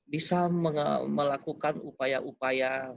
bisa melakukan upaya upaya